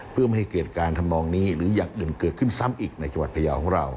เพื่อไม่ให้เกิดการทำนองนี้หรืออย่างอื่นเกิดขึ้นซ้ำอีกในจังหวัดพยาวของเรา